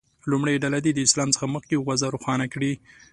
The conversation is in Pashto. لومړۍ ډله دې د اسلام څخه مخکې وضع روښانه کړي.